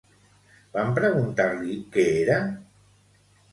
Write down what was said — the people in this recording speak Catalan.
Van preguntar-li què era?